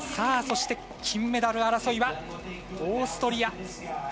そして金メダル争いはオーストリア。